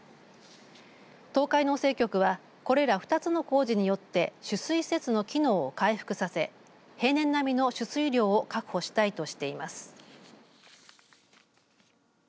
東海農政局はこれら２つの工事によって取水施設の機能を回復させ平年並みの取水量を確保したいとしています。